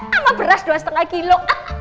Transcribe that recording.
sama beras dua lima kilo